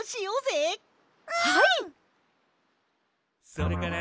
「それから」